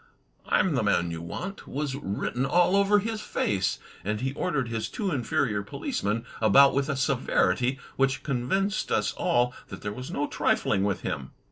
"I'm the man you want," was written all over his face; and he ordered his two inferior policemen about with a severity which con vinced us all that there was no trifling with him.